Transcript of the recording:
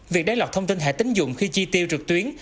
việc đáy lọc thông tin thẻ tín dụng khi chi tiêu trực tuyến